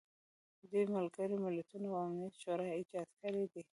دوی ملګري ملتونه او امنیت شورا ایجاد کړي دي.